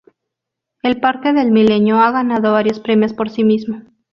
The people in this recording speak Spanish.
El Parque del Milenio ha ganado varios premios por sí mismo.